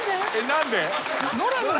何で？